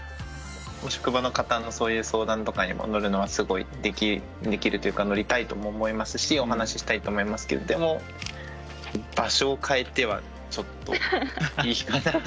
職場の方のそういう相談とかにも乗るのはすごいできるというか乗りたいとも思いますしお話したいと思いますけどでも場所を変えてはちょっといいかな。